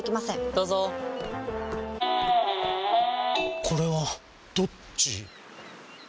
どうぞこれはどっち？